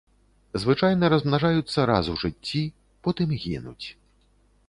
Звычайна размнажаюцца раз у жыцці, потым гінуць.